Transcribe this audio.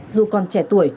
dù còn trẻ tuổi